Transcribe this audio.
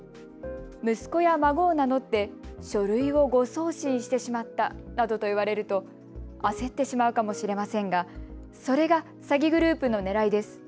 息子や孫を名乗って書類を誤送信してしまったなどと言われると焦ってしまうかもしれませんが、それが詐欺グループのねらいです。